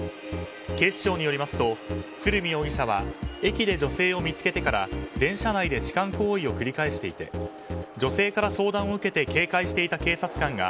警視庁によりますと鶴見容疑者は駅で女性を見つけてから電車内で痴漢行為を繰り返していて女性から相談を受けて警戒していた警察官が